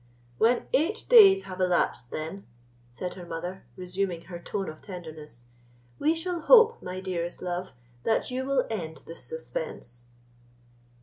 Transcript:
"When eight days have elapsed, then," said her mother, resuming her tone of tenderness, "we shall hope, my dearest love, that you will end this suspense."